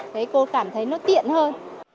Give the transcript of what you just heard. thế cô cảm thấy nó tiện hơn